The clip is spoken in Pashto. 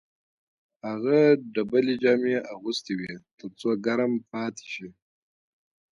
هغه ډبلې جامې اغوستې وې تر څو ګرم پاتې شي